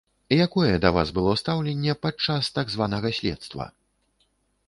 Якое да вас было стаўленне падчас так званага следства?